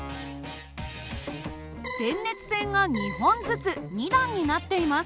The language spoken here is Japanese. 電熱線が２本ずつ２段になっています。